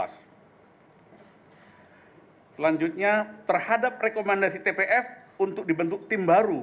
selanjutnya terhadap rekomendasi tpf untuk dibentuk tim baru